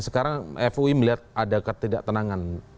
sekarang fui melihat ada ketidak tenangan